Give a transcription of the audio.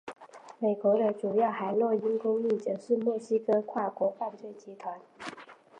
美国的主要海洛因供应者是墨西哥跨国犯罪集团。